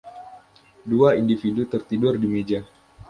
Dua individu tertidur di meja.